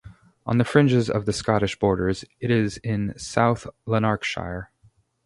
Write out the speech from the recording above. On the fringes of the Scottish Borders, it is in South Lanarkshire.